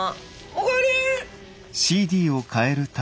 お帰り。